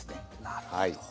なるほど。